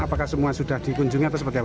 apakah semua sudah dikunjungi atau seperti apa